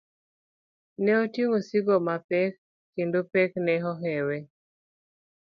Ne oting'o osigo mapek kendo pek ne ohewe.